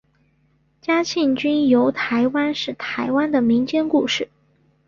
嘉庆君游台湾是台湾的民间故事。